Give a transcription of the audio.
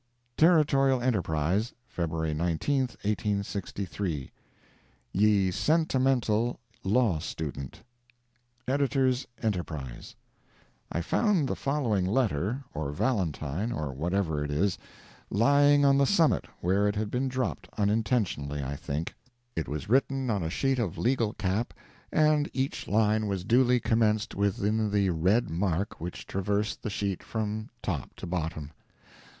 Territorial Enterprise, February 19, 1863 YE SENTIMENTAL LAW STUDENT EDS. ENTERPRISE—I found the following letter, or Valentine, or whatever it is, lying on the summit, where it had been dropped unintentionally, I think. It was written on a sheet of legal cap, and each line was duly commenced within the red mark which traversed the sheet from top to bottom.